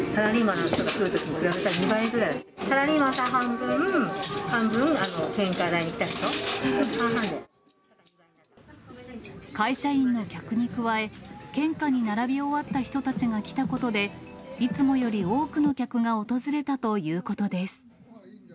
半分、半分、会社員の客に加え、献花に並び終わった人たちが来たことで、いつもより多くの客が訪れたということです。